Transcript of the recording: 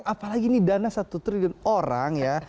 apalagi ini dana satu triliun orang ya